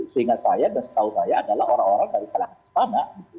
seingat saya dan setahu saya adalah orang orang dari kalangan istana